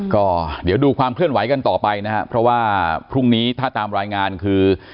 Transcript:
ก็เดี๋ยวดูความเคลื่อนไหวกันต่อไปนะครับเพราะว่าพรุ่งนี้ถ้าตามรายงานคือ